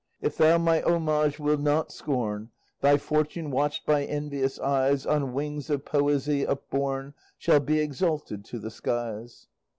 If thou my homage wilt not scorn, Thy fortune, watched by envious eyes, On wings of poesy upborne Shall be exalted to the skies.